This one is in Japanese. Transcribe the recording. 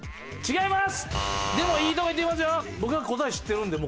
違います。